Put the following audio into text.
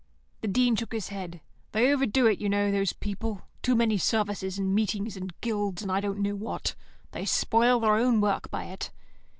The Dean shook his head. "They overdo it, you know, those people. Too many services, and meetings, and guilds, and I don't know what. They spoil their own work by it."